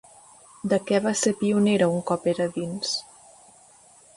De què va ser pionera un cop era dins?